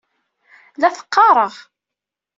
La t-qqareɣ.